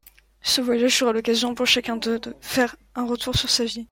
Ce voyage sera l'occasion pour chacun d'eux de faire un retour sur sa vie.